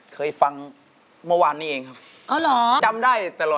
เคยฟังเมื่อวานนี้เองครับอ๋อเหรอ